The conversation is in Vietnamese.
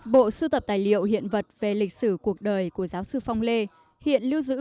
bộ sưu tập tài liệu hiện vật về lịch sử cuộc đời của giáo sư phong lê hiện lưu giữ